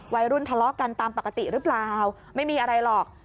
วัยรุ่นทะเลาะกันตามปกติหรือเปล่าไม่มีอะไรหรอก